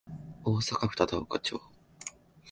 大阪府忠岡町